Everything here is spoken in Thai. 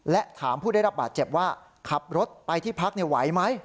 และถามผู้ได้รับบาดเจ็บว่าขับรถไปที่พักไหวไหม